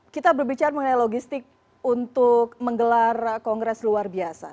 kita berbicara mengenai logistik untuk menggelar kongres luar biasa